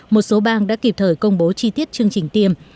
một số bang đã kịp thời công bố chi tiết chương trình tiêm